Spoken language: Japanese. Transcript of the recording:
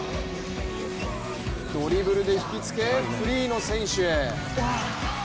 ドリブルで引きつけ、フリーの選手へ。